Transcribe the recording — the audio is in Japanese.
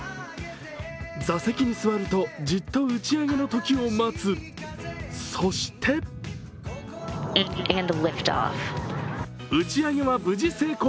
座席に座るとじっと打ち上げの時を待つそして打ち上げは無事成功。